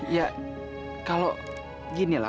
ya kalau gini lah